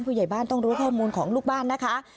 ผู้ใหญ่บ้านต้องรู้ข้อมูลของลูกบ้านนะคะ